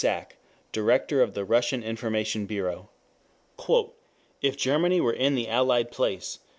Sack, Director of the Russian Information Bureau: "If Germany were in the Allied place...